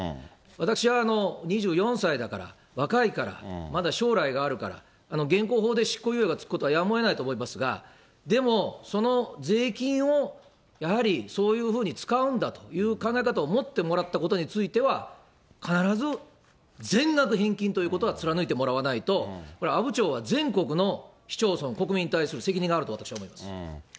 私は２４歳だから、若いから、まだ将来があるから、現行法で執行猶予がつくことはやむをえない思いますが、でも、その税金をやはりそういうふうに使うんだという考え方を持ってもらったことについては、必ず全額返金ということは貫いてもらわないと、これ、阿武町は全国の市町村、国民に対する責任があると私は思います。